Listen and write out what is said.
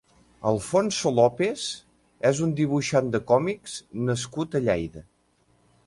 Alfonso López és un dibuixant de còmics nascut a Lleida.